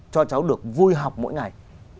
cho cháu được vui học mỗi ngày